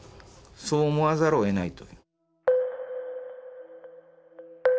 そう思わざるをえないと。